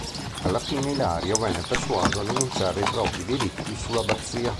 Alla fine Ilario venne persuaso a rinunciare ai propri diritti sull'abbazia.